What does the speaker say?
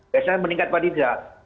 psa meningkat atau tidak